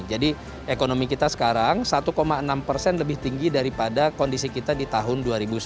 jadi ekonomi kita sekarang satu enam persen lebih tinggi daripada kondisi kita di tahun dua ribu sembilan belas